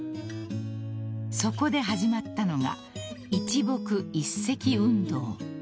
［そこで始まったのが一木一石運動］